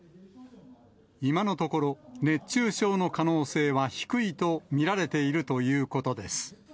今のところ、熱中症の可能性は低いと見られているということです。